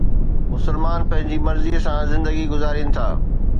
مسلمان پنهنجي مرضيءَ سان زندگي گذارين ٿا